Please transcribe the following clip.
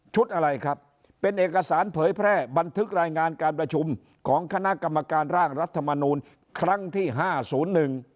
อะไรครับเป็นเอกสารเผยแพร่บันทึกรายงานการประชุมของคณะกรรมการร่างรัฐมนูลครั้งที่ห้าศูนย์หนึ่ง